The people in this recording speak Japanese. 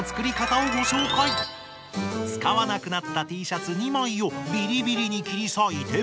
使わなくなったＴシャツ２枚をびりびりに切り裂いて。